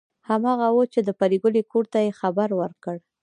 هماغه وه چې د پريګلې کور ته یې خبر ورکړ